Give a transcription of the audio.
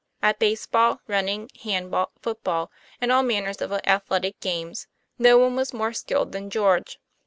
At baseball, running, handball, football, and all manner of athletic games, no one was more skilled than George.